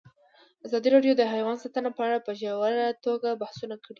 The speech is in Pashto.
ازادي راډیو د حیوان ساتنه په اړه په ژوره توګه بحثونه کړي.